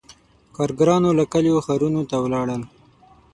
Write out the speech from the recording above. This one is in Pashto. • کارګرانو له کلیو ښارونو ته ولاړل.